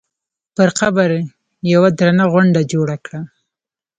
پر قبر یوه درنه غونډه جوړه کړه.